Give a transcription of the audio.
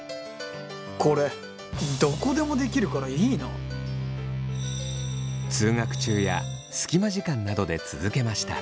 これどこでもできるからいいな通学中や隙間時間などで続けました。